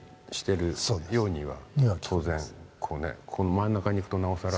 真ん中に行くとなおさら。